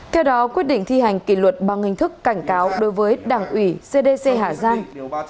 theo đó quyết định thi hành kỷ luật bằng hình thức cảnh cáo đối với đảng ủy cdc hà giang